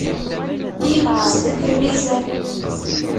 Yenqes deg lmizan.